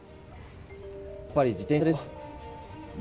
やっぱり自転車ですよ。